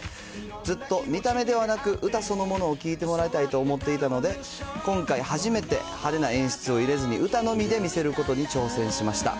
ずっと見た目ではなく、歌そのものを聴いてもらいたいと思っていたので、今回初めて、派手な演出を入れずに、歌のみで魅せることに挑戦しました。